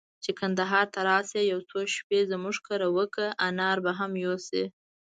چي کندهار ته راسې، يو څو شپې زموږ کره وکړه، انار به هم يوسې.